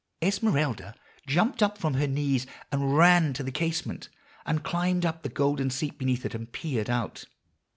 "Esmeralda jumped up from her knees, and ran to the casement, and climbed up the golden seat beneath it, and peered out.